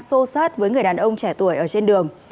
xô sát với người đàn ông trẻ tuổi ở trên đường